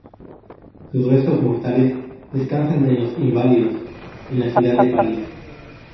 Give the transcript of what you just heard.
Sus restos mortales descansan en Los Inválidos, en la ciudad de París.